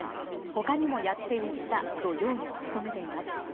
他にもやって売ったと容疑を認めています。